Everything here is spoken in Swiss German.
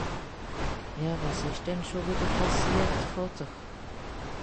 Ja, wàs ìsch denn schùn wìdder pàssiert, Vàter ?